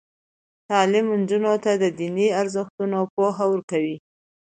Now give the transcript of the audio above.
تعلیم نجونو ته د دیني ارزښتونو پوهه ورکوي.